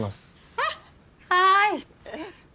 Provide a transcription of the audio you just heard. あっはい！